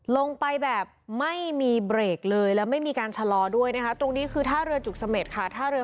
ลงไปแบบไม่มีเบรกเลยแล้วไม่มีการชะลอด้วยนะคะตรงนี้คือท่าเรือจุกเสม็ดค่ะท่าเรือ